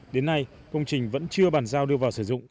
đến nay công trình vẫn chưa bàn giao đưa vào sử dụng